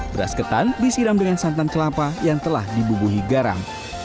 beras ketan disiram dengan santan kelapa yang telah dibubuhi garam